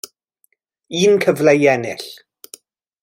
Un cyfle i ennill.